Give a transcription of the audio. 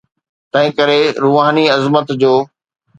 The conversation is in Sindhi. تنهنڪري روحاني عظمت جو.